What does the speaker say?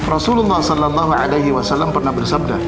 rasulullah saw pernah bersabda